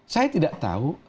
saya tidak tahu